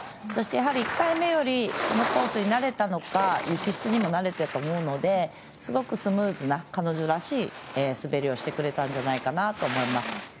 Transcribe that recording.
そしてやはり、１回目よりこのコースに慣れたのか雪質にも慣れていたと思うのですごくスムーズな彼女らしい滑りをしてくれたと思います。